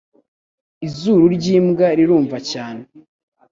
Izuru ryimbwa rirumva cyane